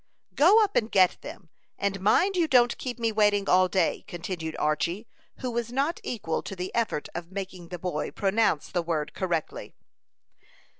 "Go up and get them; and mind you don't keep me waiting all day," continued Archy, who was not equal to the effort of making the boy pronounce the word correctly.